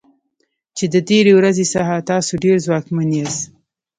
چې د تیرې ورځې څخه تاسو ډیر ځواکمن یاست.